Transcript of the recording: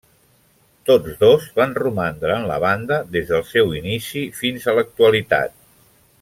Tots dos van romandre en la banda des del seu inici fins a l'actualitat.